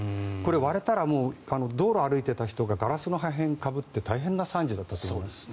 割れたら、道路を歩いていた人がガラスをかぶって大変な惨事だったと思います。